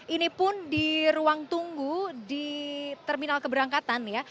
ini pun di ruang tunggu di terminal keberangkatan ya